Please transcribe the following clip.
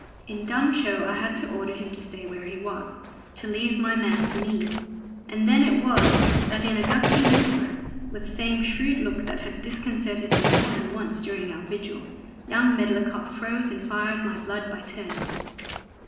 In dumb show I had to order him to stay where he was, to leave my man to me. And then it was that in a gusty whisper, with the same shrewd look that had disconcerted me more than once during our vigil, young Medlicott froze and fired my blood by turns.